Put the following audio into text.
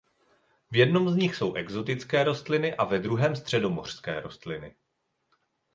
V jednom z nich jsou exotické rostliny a ve druhém středomořské rostliny.